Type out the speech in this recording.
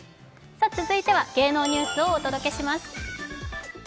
続いては芸能ニュースをお届けします。